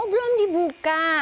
oh belum dibuka